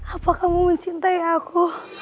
apa kamu mencintai aku